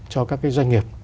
cho các doanh nghiệp